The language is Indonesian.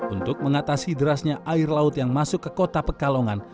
untuk mengatasi derasnya air laut yang masuk ke kota pekalongan